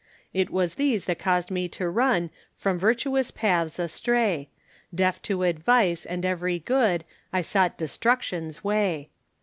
It was these that caused me to run, From virtuous paths astray, Deaf to advice and every good, I sought destruction's way.